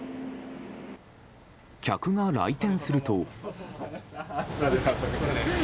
客が来店すると。